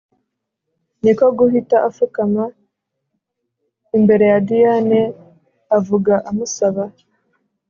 Niko guhita afukama imbere ya Diane avuga amusaba